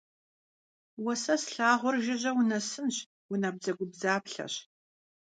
Уэ сэ слъагъур жыжьэ унэсынщ, унабдзэгубдзаплъэщ!